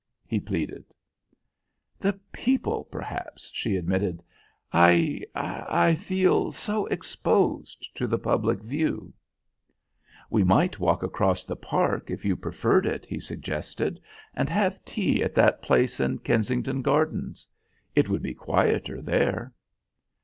he pleaded. "The people, perhaps," she admitted. "I I feel so exposed to the public view." "We might walk across the Park if you preferred it," he suggested; "and have tea at that place in Kensington Gardens? It would be quieter there."